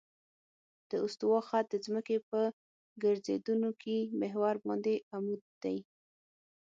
د استوا خط د ځمکې په ګرځېدونکي محور باندې عمود دی